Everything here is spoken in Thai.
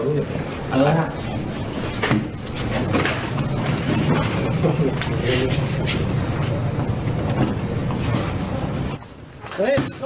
เอ่อครับ